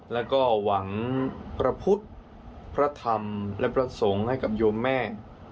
แล้วก็หวังพระพุทธพระธรรมและพระสงฆ์ให้กับโยมแม่